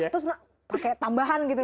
terus pake tambahan gitu